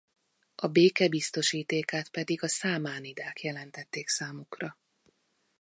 A béke biztosítékát pedig a Számánidák jelentették számukra.